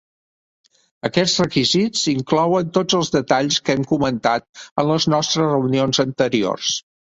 Aquests requisits inclouen tots els detalls que hem comentat en les nostres reunions anteriors.